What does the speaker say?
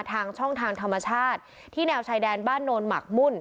ทางช่องทางธรรมชาติที่แนวชายแดนบ้านโนนหมักมุ่น